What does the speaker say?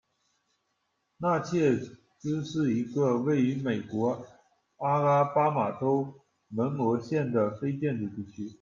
纳切兹是一个位于美国阿拉巴马州门罗县的非建制地区。